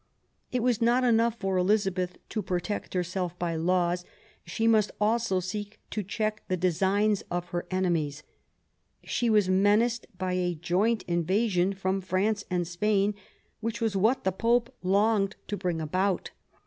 ^It was not enough for Elizabeth to protect herself by laws ; she must also seek to check the designs of her enemies. She was menaced by a joint invasion THE EXCOMMUNICATION OF ELIZABETH, 139 from France and Spain, which was what the Pope longed to bring about.